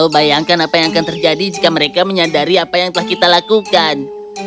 bayangkan apa yang akan terjadi jika mereka menyadari apa yang telah kita lakukan